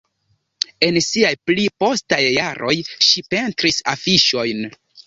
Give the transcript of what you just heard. En siaj pli postaj jaroj, ŝi pentris afiŝojn.